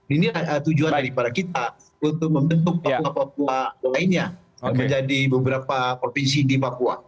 ini tujuan daripada kita untuk membentuk papua papua lainnya bekerja di beberapa provinsi di papua